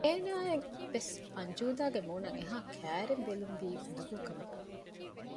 އޭނާއަށް ވެސް އަންޖޫދާގެ މޫނަށް އެހާ ކައިރިން ބެލުންވީ އުނދަގޫ ކަމަކަށް